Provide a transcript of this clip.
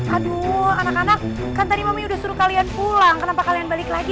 aduh anak anak kan tadi mamanya udah suruh kalian pulang kenapa kalian balik lagi